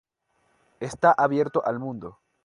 Está abierto al mundo.